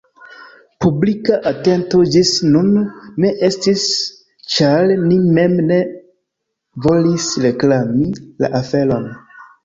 Publika atento ĝis nun ne estis, ĉar ni mem ne volis reklami la aferon.